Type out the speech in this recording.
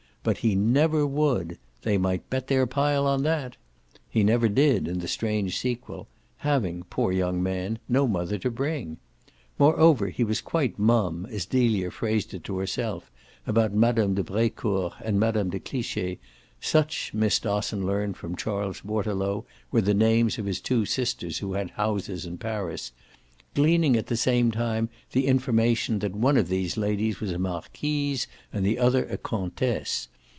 BUT HE NEVER WOULD they might bet their pile on that! He never did, in the strange sequel having, poor young man, no mother to bring. Moreover he was quite mum as Delia phrased it to herself about Mme. de Brecourt and Mme. de Cliche: such, Miss Dosson learned from Charles Waterlow, were the names of his two sisters who had houses in Paris gleaning at the same time the information that one of these ladies was a marquise and the other a comtesse.